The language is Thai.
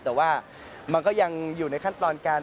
แต่ว่ามันก็ยังอยู่ในขั้นตอนการ